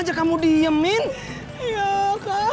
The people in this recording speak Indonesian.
tapi kayak di sini guys